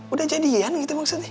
udah jadian gitu maksudnya